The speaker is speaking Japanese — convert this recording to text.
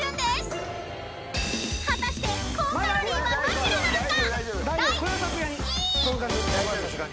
［果たして高カロリーはどちらなのか？］